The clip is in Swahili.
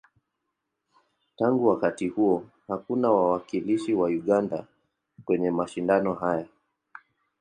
Tangu wakati huo, hakuna wawakilishi wa Uganda kwenye mashindano haya.